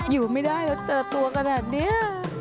อยู่ไม่ได้แล้วเจอตัวกันแบบนี้